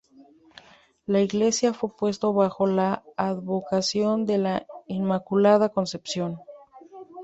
La Iglesia fue puesto bajo la advocación de la Inmaculada Concepción.